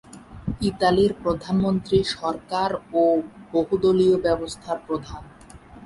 ইতালির প্রধানমন্ত্রী সরকার ও বহুদলীয় ব্যবস্থার প্রধান।